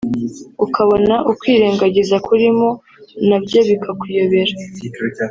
ukabona ukwirengagiza kurimo na byo bikakuyobera